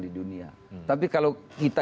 di dunia tapi kalau kita